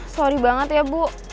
sorry banget ya bu